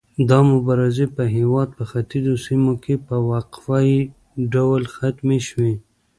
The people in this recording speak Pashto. دا مبارزې په هیواد په ختیځو سیمو کې په وقفه يي ډول ختمې شوې.